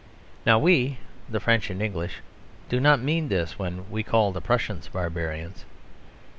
Now we, the French and English, do not mean this when we call the Prussians barbarians.